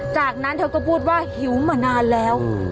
จากนั้นเธอก็พูดว่าหิวมานานแล้ว